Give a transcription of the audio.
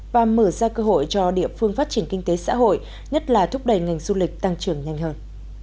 và mở ra cơ hội cho địa phương phát triển kinh tế xã hội nhất là thúc đẩy ngành du lịch tăng trưởng nhanh hơn